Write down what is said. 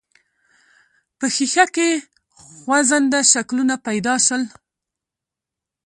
په ښيښه کې خوځنده شکلونه پيدا شول.